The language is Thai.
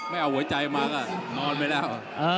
เอาหัวใจมาก็นอนไปแล้ว